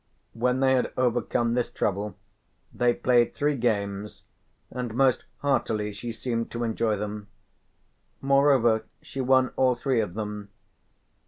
When they had overcome this trouble they played three games, and most heartily she seemed to enjoy them. Moreover she won all three of them.